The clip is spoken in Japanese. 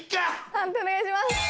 判定お願いします。